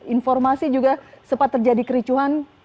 informasi juga sempat terjadi kericuhan